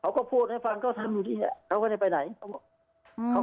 เขาก็พูดให้ฟังก็ทำอยู่ที่นี่เขาก็ได้ไปไหนเขาอืม